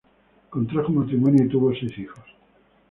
Contrajo matrimonio y tuvo seis hijos.